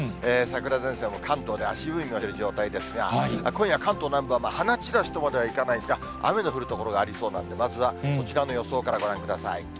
桜前線も関東で足踏みをしている状態ですが、今夜、関東南部は花散らしとまではいかないですが、雨の降る所がありそうなんで、まずはこちらの予想からご覧ください。